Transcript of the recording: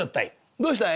どうしたい？